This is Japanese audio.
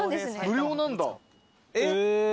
無料なん？